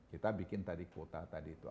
kita bikin tadi kuota tadi itu